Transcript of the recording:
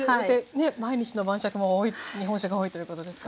毎日の晩酌も日本酒が多いということですが。